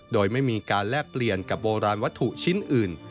โดยไม่มีการแลกเปลี่ยนกับโบราณวัตถุชิ้นอื่น